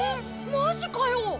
マジかよ！？